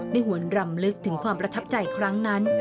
หวนรำลึกถึงความประทับใจครั้งนั้น